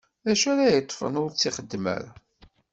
D acu ara t-yeṭṭfen ur tt-ixeddem ara?